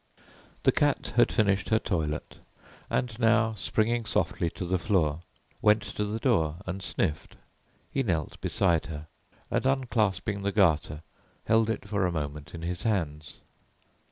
'" The cat had finished her toilet, and now, springing softly to the floor, went to the door and sniffed. He knelt beside her, and unclasping the garter held it for a moment in his hands.